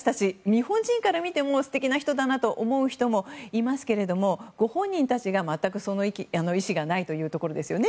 日本人から見ても素敵な人だなと思う人もいますけれどもご本人たちが全く、その意思がないというところですね